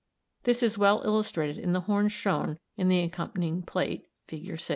This is well illustrated in the horns shown in the accompanying plate, fig.